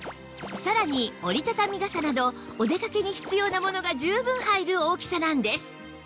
さらに折り畳み傘などお出かけに必要なものが十分入る大きさなんです